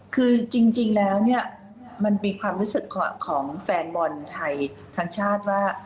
คือจริงแล้วเนี่ยมันมีความรู้สึกของแฟนบอลไทยทั้งชาติว่า